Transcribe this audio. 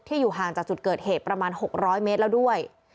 อยู่ห่างจากจุดเกิดเหตุประมาณ๖๐๐เมตรแล้วด้วย